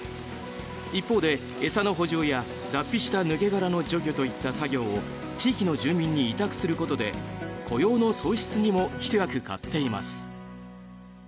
一方で、餌の補充や脱皮した抜け殻の除去といった作業を地域の住民に委託することで雇用の創出にもひと役買っています。